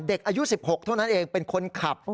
เด็กอายุ๑๖เท่านั้นเองเป็นคนขับ